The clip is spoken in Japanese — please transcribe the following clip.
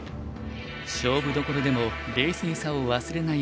勝負どころでも冷静さを忘れない